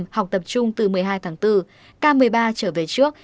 học tập trung từ một mươi hai tháng bốn k một mươi ba trở về trước